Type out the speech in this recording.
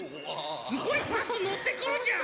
すごいバスのってくるじゃん。